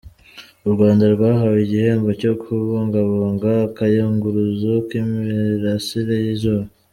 U Rwanda rwahawe igihembo cyo kubungabunga akayunguruzo k’imirasire y’izuba